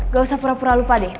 gak usah pura pura lupa deh